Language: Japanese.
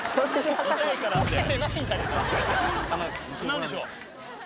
何でしょう？